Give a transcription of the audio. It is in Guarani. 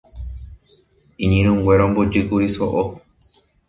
iñirũnguéra ombojýkuri so'o